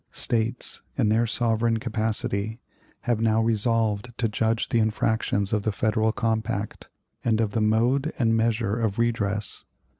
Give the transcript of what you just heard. States, in their sovereign capacity, have now resolved to judge of the infractions of the Federal compact, and of the mode and measure of redress.